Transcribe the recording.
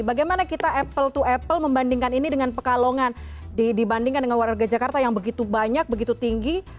bagaimana kita apple to apple membandingkan ini dengan pekalongan dibandingkan dengan warga jakarta yang begitu banyak begitu tinggi